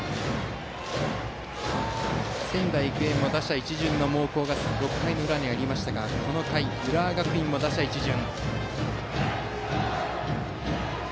仙台育英も打者一巡の猛攻が６回の裏にありましたがこの回、浦和学院も打者一巡。